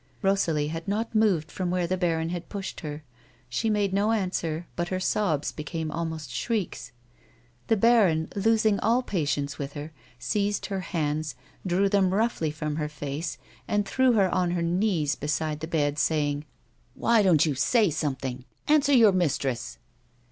Rosalie had not moved from where the baron had pushed her; she made no answer but her sobs became almost shrieks. The baron, losing all patience with her, seized her bauds, drew them roughly from her face and threw her on her knees beside the bed, crying :" Why don't you say something 1 Answer your mistress."